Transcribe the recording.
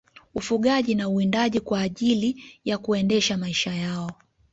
Ufugaji na uwindaji kwa ajili ya kuendesha maisha yao